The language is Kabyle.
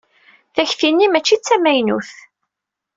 Takti-nni mačči d tamaynut.